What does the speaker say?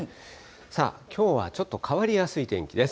さあ、きょうはちょっと変わりやすい天気です。